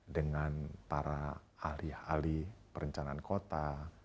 dengan para ahli ahli perencanaan kota